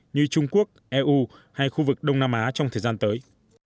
như trung quốc eu hay khu vực đông nam á trong thời gian tới